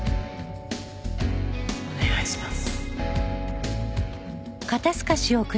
お願いします。